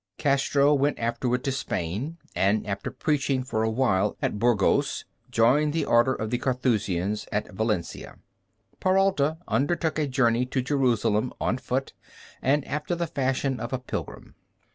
Castro went afterward to Spain, and after preaching for a while at Burgos, joined the Order of the Carthusians at Valencia. Peralta undertook a journey to Jerusalem on foot and after the fashion of a pilgrim.